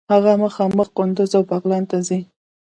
هغه مخامخ قندوز او بغلان ته ځي.